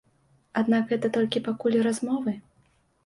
Аднак гэта толькі пакуль размовы.